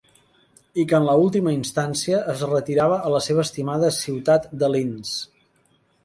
I que en última instància, es retirava a la seva estimada ciutat de Linz.